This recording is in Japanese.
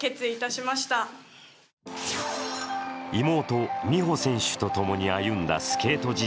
妹・美帆選手とともに歩んだスケート